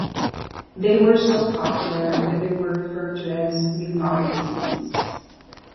They were so popular that they were referred to as Mignardises.